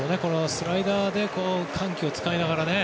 スライダーで緩急を使いながらね。